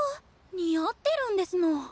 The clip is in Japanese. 似合ってるんですの。